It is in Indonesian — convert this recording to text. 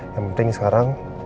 yang penting sekarang